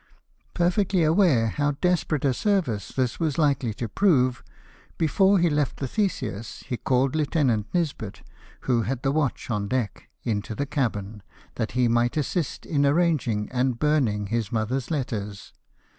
Perfectly aware how desperate a service this was hkely to prove, before he left the Theseus he called Lieutenant Nisbet, who had the watch on deck, into the cabin, that he might assist in arranging and burning his mother's letters.